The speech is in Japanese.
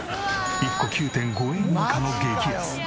１個９．５円以下の激安！